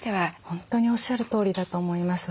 本当におっしゃるとおりだと思います。